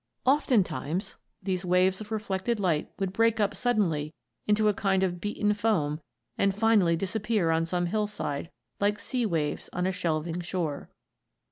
Oftentimes these waves of reflected light would break up suddenly into a kind of beaten foam and finally disappear on some hillside, like sea waves on a shelving shore."